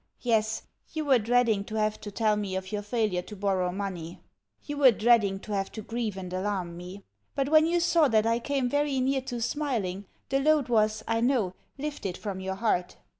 Yes, you were dreading to have to tell me of your failure to borrow money you were dreading to have to grieve and alarm me; but, when you saw that I came very near to smiling, the load was, I know, lifted from your heart.